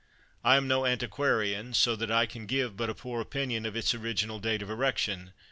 I am no antiquarian, so that I can give but a poor opinion of its original date of erection.